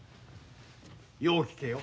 よう聞けよ。